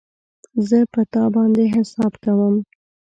زه په تا باندی حساب کوم